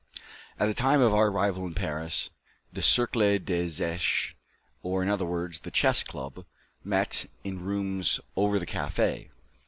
At the time of our arrival in Paris, the Cercle des Echecs, or in other words, the Chess Club, met in rooms over the café.